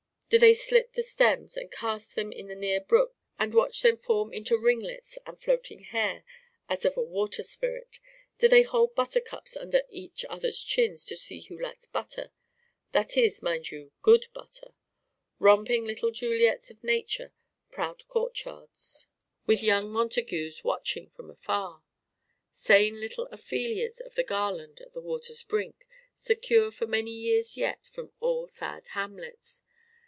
Do they slit the stems and cast them into the near brook and watch them form into ringlets and floating hair as of a water spirit? Do they hold buttercups under each other's chins to see who likes butter that is, mind you, good butter! Romping little Juliets of Nature's proud courtyards with young Montagues watching from afar! Sane little Ophelias of the garland at the water's brink secure for many years yet from all sad Hamlets!